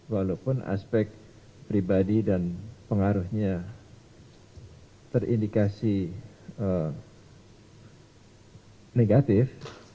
walaupun aspek pribadi dan pengaruhnya terindikasi negatif